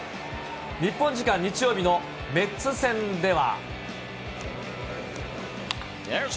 日本時間日曜日のメッツ戦では。